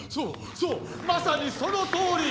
そうまさにそのとおり！